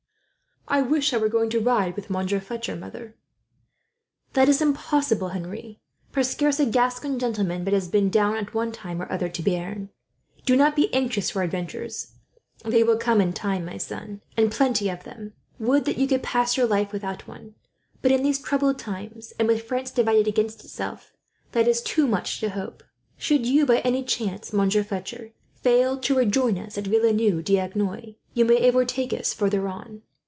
"I wish I were going to ride with Monsieur Fletcher, mother." "That is impossible, Henri; for scarce a Gascon gentleman but has been down, at one time or other, to Bearn. Do not be anxious for adventures. They will come in time, my son, and plenty of them. Would that you could pass your life without one; but in these troubled times, and with France divided against itself, that is too much to hope. "Should you by any chance, Monsieur Fletcher, fail to rejoin us at Villeneuve d'Agenois, you may overtake us farther on.